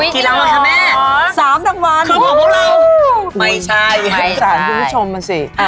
กี่รางวัลคะแม่ของของพวกเราสามรางวัลไม่ใช่ไม่ใช่สาธารณ์คุณผู้ชมมาสิ